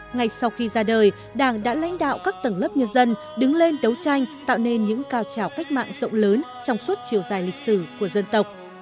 ngay sau khi ra đời đảng đã lãnh đạo các tầng lớp nhân dân đứng lên đấu tranh tạo nên những cao trào cách mạng rộng lớn trong suốt chiều dài lịch sử của dân tộc